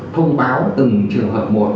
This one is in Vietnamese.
thông báo từng trường hợp một